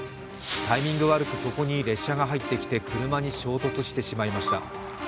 タイミング悪く、そこに列車が入ってきて、車に衝突してしまいました。